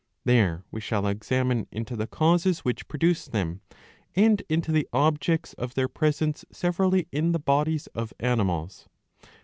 There we shall examine into the causes which produce them, and into the objects of their presence severally in the bodies of animals.